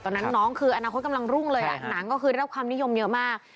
ตอนนั้นน้องคืออนาคตกำลังรุ่งเลยน้องก็คือได้รับความนิยมเยอะมาก